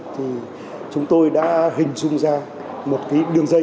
thì chúng tôi đã hình dung ra một cái đường dây